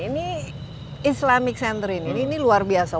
ini islamic center ini ini luar biasa